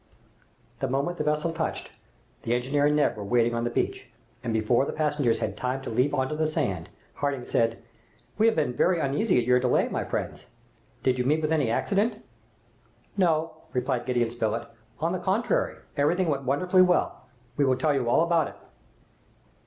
The moment the vessel touched, the engineer and Neb were waiting on the beach, and before the passengers had time to leap on to the sand, Harding said: "We have been very uneasy at your delay, my friends! Did you meet with any accident?" "No," replied Gideon Spilett; "on the contrary, everything went wonderfully well. We will tell you all about it."